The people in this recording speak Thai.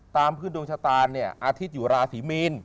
ตามพฤษฐศาสตร์เนี่ยอาทิตย์อยู่ราศรีมีน